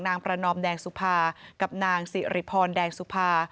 ประนอมแดงสุภากับนางสิริพรแดงสุภา